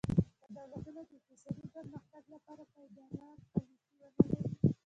که دولتونه د اقتصادي پرمختګ لپاره پایداره پالیسي ونه لري.